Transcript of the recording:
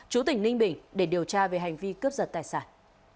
chú tỉnh ninh bình để điều tra về hành vi cướp giật tài sản